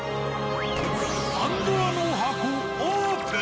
パンドラの箱オープン！